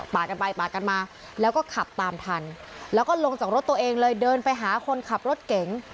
กันไปปาดกันมาแล้วก็ขับตามทันแล้วก็ลงจากรถตัวเองเลยเดินไปหาคนขับรถเก๋ง